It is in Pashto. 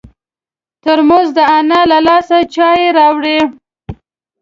ترموز د انا له لاسه چای راوړي.